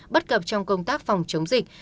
bất cập trong công tác phòng chống dịch